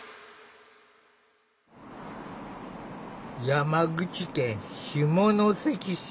山口県下関市。